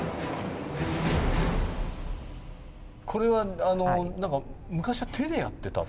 これはあの何か昔は手でやってた？